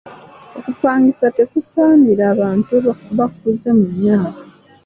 Okupangisa tekusaanira bantu bakuze mu myaka.